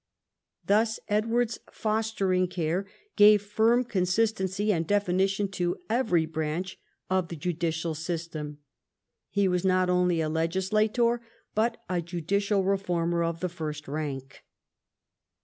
Thus Edward's fostering care gave firm consistency and definition to every branch of the judicial system. He was not only a legislator, but a judicial reformer of the first rank.